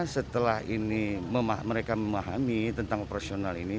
setelah ini mereka memahami tentang operasional ini